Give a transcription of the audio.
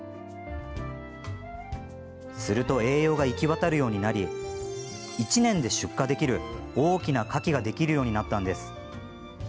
すると栄養が行き渡るようになり１年で出荷できる大きなかきができるようになったんです。